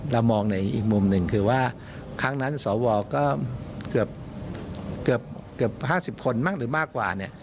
เรามองในอีกมุมหนึ่งคือว่าครั้งนั้นสวก็เกือบ๕๐คนมั่งหรือมากกว่าเนี่ย